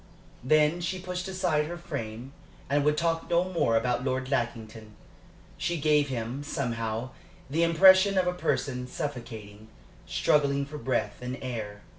Then she pushed aside her frame and would talk no more about Lord Lackington. She gave him, somehow, the impression of a person suffocating, struggling for breath and air.